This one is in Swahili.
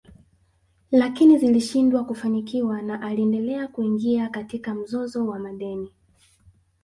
Lakini zilishindwa kufanikiwa na aliendelea kuingia katika mzozo wa madeni